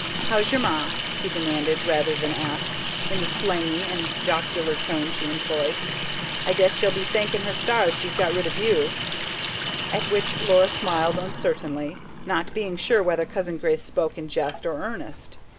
"How's your ma?" she demanded rather than asked, in the slangy and jocular tone she employed. "I guess she'll be thanking her stars she's got rid of you;" at which Laura smiled uncertainly, not being sure whether Cousin Grace spoke in jest or earnest.